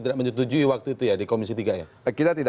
tidak menyetujui waktu itu ya di komisi tiga ya